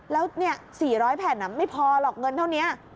แล้วเนี่ย๔๐๐แผ่นน่ะไม่พอหรอกเงินเท่านี้